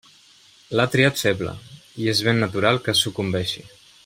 L'ha triat feble; i és ben natural que sucumbeixi.